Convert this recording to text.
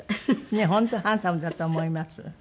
ねえ本当ハンサムだと思います。